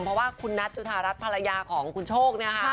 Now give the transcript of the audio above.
เพราะว่าคุณนัทจุธารัฐภรรยาของคุณโชคเนี่ยค่ะ